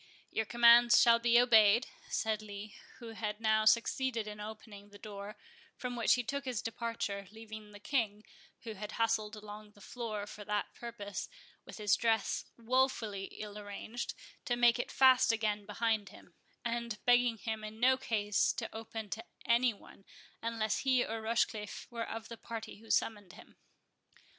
"Your commands shall be obeyed," said Lee, who had now succeeded in opening the door; from which he took his departure, leaving the King, who had hustled along the floor for that purpose, with his dress wofully ill arranged, to make it fast again behind him, and begging him in no case to open to any one, unless he or Rochecliffe were of the party who summoned him.